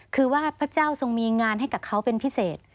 คือว่าพระเจ้าทรงมีงานให้กับเขาเป็นพิเศษ